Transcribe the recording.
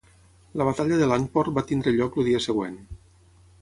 La batalla de Langport va tenir lloc el dia següent.